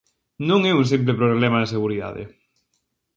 Non é un simple problema de seguridade.